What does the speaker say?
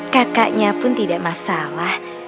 kakaknya pun tidak masalah